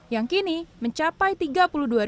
yang kini mencapai rp tiga puluh dua